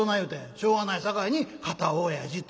「しょうがないさかいに『堅親父』と」。